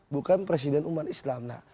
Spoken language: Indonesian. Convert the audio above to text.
bukan presiden umat islam